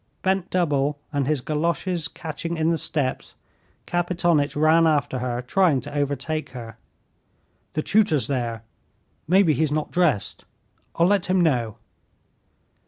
Bent double, and his galoshes catching in the steps, Kapitonitch ran after her, trying to overtake her. "The tutor's there; maybe he's not dressed. I'll let him know."